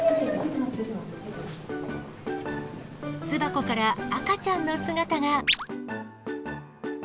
巣箱から赤ちゃんの姿が。